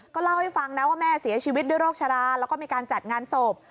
เล่าให้ฟังนะว่าแม่เสียชีวิตด้วยโรคชราแล้วก็มีการจัดงานศพ